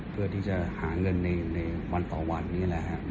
เพื่อที่จะหาเงินในในวันต่อวันอย่างนี้แหละครับ